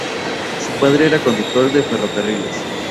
Su padre era conductor de ferrocarriles.